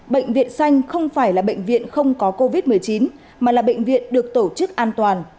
bệnh viện xanh không phải là bệnh viện không có covid một mươi chín mà là bệnh viện được tổ chức an toàn